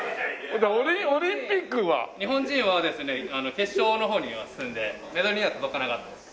オリンピックは？日本人はですね決勝の方には進んでメダルには届かなかったです。